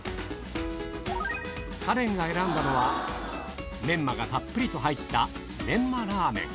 カレンが選んだのはメンマがたっぷりと入ったメンマラーメン